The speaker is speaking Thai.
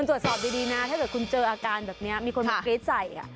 ตรวจสอบดีนะถ้าเกิดคุณเจออาการแบบนี้มีคนมากรี๊ดใส่